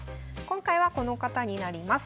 今回はこの方になります。